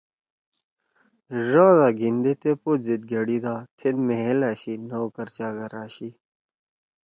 ہے ڙادا گھیِندے تے پود زید گھڑیِدا تھید محل آشی، نوکر چاکر آشی۔